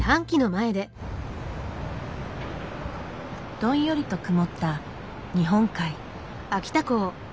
どんよりと曇った日本海。